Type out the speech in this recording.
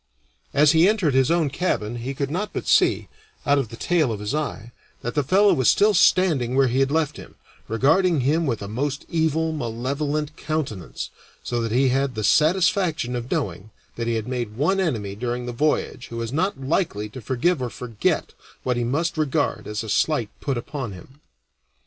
As he entered his own cabin he could not but see, out of the tail of his eye, that the fellow was still standing where he had left him, regarding him with a most evil, malevolent countenance, so that he had the satisfaction of knowing that he had made one enemy during that voyage who was not very likely to forgive or forget what he must regard as a slight put upon him.